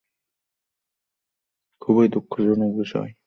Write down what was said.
খুবই দুঃখজনক বিষয়!